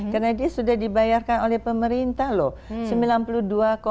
karena dia sudah dibayarkan oleh pemerintah loh